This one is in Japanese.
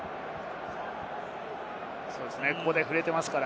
ここで触れていますから。